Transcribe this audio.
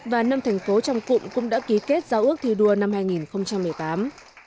và năm thành phố trong cụm cũng đã ký kết giao ước thi đua năm hai nghìn một mươi tám